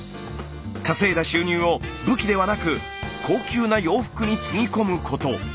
稼いだ収入を武器ではなく高級な洋服につぎ込むこと。